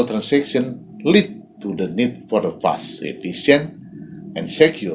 menyebabkan kebutuhan untuk infrastruktur yang cepat efisien dan aman